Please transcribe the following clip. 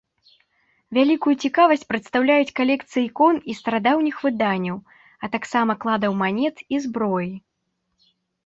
Вялікую цікавасць прадстаўляюць калекцыі ікон і старадаўніх выданняў, а таксама кладаў манет і зброі.